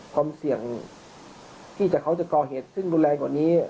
ความเสี่ยงที่จะเขากอเหตุซึ่งอู่นแรงอ่อนนี้